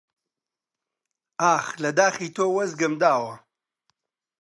ئاخ لە داخی تۆ وەزگم داوە!